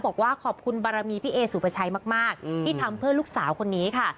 บอกว่าขอบคุณบารมีพี่เอสุปชัยมากที่ทำเพื่อลูกสาวคนนี้ค่ะ